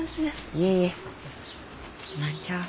いえいえ。何ちゃあ。